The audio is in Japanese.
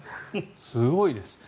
すごいです。